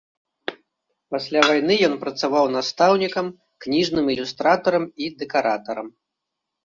Пасля вайны ён працаваў настаўнікам, кніжным ілюстратарам і дэкаратарам.